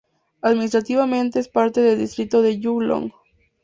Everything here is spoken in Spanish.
Administrativamente, es parte de Distrito de Yuen Long.